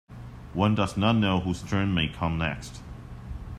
One does not know whose turn may come next.